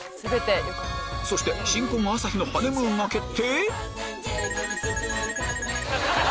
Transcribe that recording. そして新婚朝日のハネムーンが決定